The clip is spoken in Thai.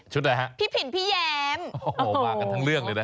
ชุดอะไรฮะ